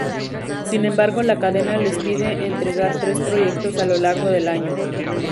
Sin embargo la cadena les pide entregar tres proyectos a lo largo del año.